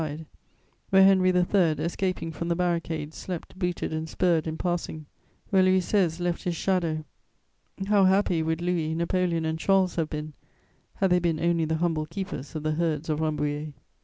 died; where Henry III., escaping from the barricades, slept booted and spurred in passing; where Louis XVI. left his shadow! How happy would Louis, Napoleon and Charles have been, had they been only the humble keepers of the herds of Rambouillet!